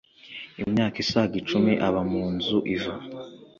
imyaka isaga icumi aba mu nzu iva,